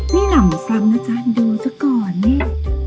นี่หน่ำซังนะจ๊ะดูเจ้าก่อนเนี่ย